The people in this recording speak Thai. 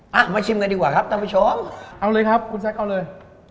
ไปอ่ะมาชิมกันดีกว่าครับตัวผู้ชมเอาเลยครับคุณซักเอาเลย